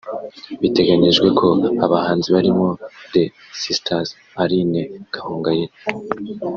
Biteganyijwe ko abahanzi barimo The Sisters(Aline Gahongayire